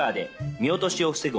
見落としを防ぐ